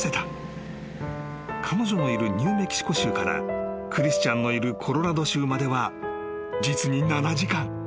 ［彼女のいるニューメキシコ州からクリスチャンのいるコロラド州までは実に７時間］